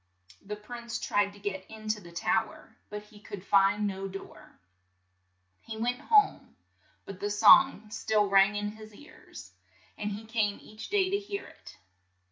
The prince tried to get in to the tow er, but he could find no door. He went home, but the song still rang in his ears, and 52 RAPUNZEL he came each day to hear it.